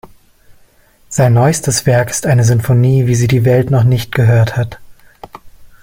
Sein neuestes Werk ist eine Sinfonie, wie sie die Welt noch nicht gehört hat.